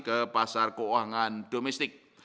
ke pasar keuangan domestik